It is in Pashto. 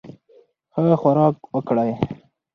ښه خوراک وکړئ.